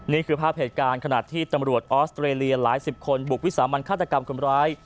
นี่คือภาพเหตุการณ์ขณะที่ตำรวจออสเตรเลียหลายสิบคนบุกวิสามันฆาตกรรมคนร้าย